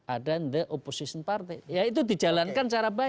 ada yang the opposition party ya itu dijalankan secara baik